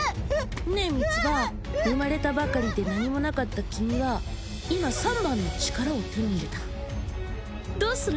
ねえミツバ生まれたばかりで何もなかった君は今三番の力を手に入れたどうする？